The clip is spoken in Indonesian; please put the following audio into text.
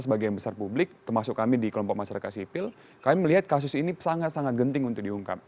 sebagian besar publik termasuk kami di kelompok masyarakat sipil kami melihat kasus ini sangat sangat genting untuk diungkap